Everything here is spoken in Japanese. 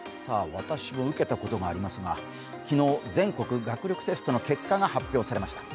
私も受けたことがありますが、昨日、全国学力テストの結果が発表されました。